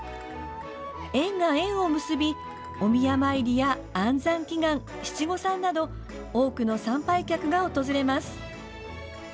縁が縁を結びお宮参りや安産祈願、七五三など多くの参拝客が訪れます。